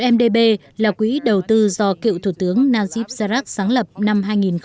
một mdb là quỹ đầu tư do cựu thủ tướng najib rajak sáng lập năm hai nghìn chín